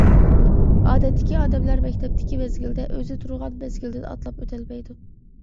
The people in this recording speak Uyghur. ئادەتتىكى ئادەملەر مەكتەپتىكى مەزگىلىدە ئۆزى تۇرغان مەزگىلدىن ئاتلاپ ئۆتەلمەيدۇ.